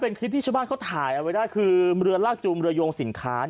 เป็นคลิปที่ชาวบ้านเขาถ่ายเอาไว้ได้คือเรือลากจูงเรือยงสินค้า